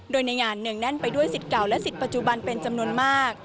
โดยในงานเนื่องแน่นไปด้วยสิทธิ์เก่าและสิทธิปัจจุบันเป็นจำนวนมาก